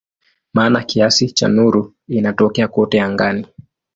Maana kiasi cha nuru inatokea kote angani.